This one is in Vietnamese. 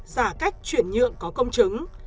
giả cách chuyển nhuận có công chứng